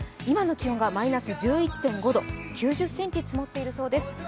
今の気温がマイナス１１．５度、９０ｃｍ積もっているそうです。